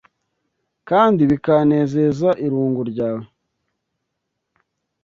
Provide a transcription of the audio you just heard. kandi bikanezeza irungu ryawe: